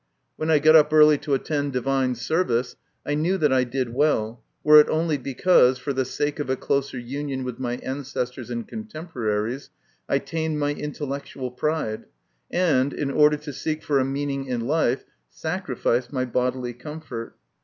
When I got up early to attend divine service, I knew that I did well, were it only because, for the sake of a closer union with my ancestors and contemporaries, I tamed my intellectual pride, and, in order to seek for a meaning in life, sacrificed my bodily comfort.